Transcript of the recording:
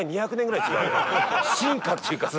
進化っていうかさ。